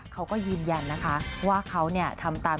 เขาก็ยืนยันนะคะว่าเขาเนี่ยทำตาม